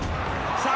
さあ